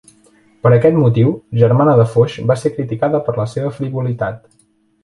Per aquest motiu, Germana de Foix va ser criticada per la seva frivolitat.